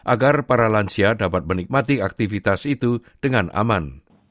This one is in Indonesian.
agar para lansia dapat menikmati aktivitas itu dengan aman